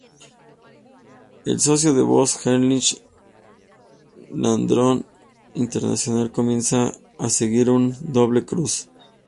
El socio de Voss, Heinrich, ladrón internacional, comienza a sentir una doble cruz.